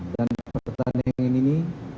dan pertandingan ini